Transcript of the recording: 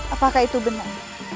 apakah itu benar